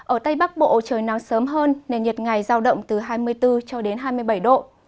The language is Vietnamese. ở tây bắc bộ trời nắng sớm hơn nền nhiệt ngày giao động từ hai mươi bốn cho đến hai mươi bảy độ